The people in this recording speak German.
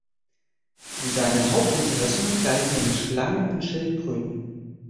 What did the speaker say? Seine Hauptinteressen galten den Schlangen und Schildkröten.